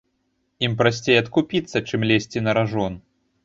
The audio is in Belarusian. Ім прасцей адкупіцца, чым лезці на ражон.